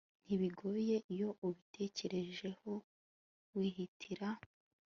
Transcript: ntibigoye iyo ubitekerejeho wihitira